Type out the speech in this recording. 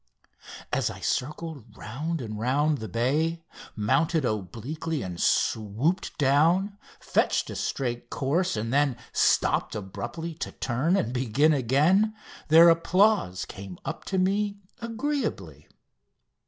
As I circled round and round the bay, mounted obliquely and swooped down, fetched a straight course, and then stopped abruptly to turn and begin again, their applause came up to me agreeably.